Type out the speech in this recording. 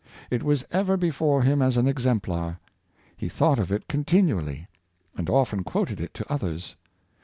It was ever before him as an examplar. He thought of it continually, and often quoted it to others.